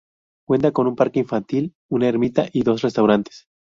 Cuenta con un parque infantil, una ermita y dos restaurantes.